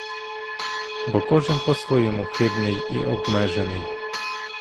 Бо кожен по-своєму хибний і обмежений.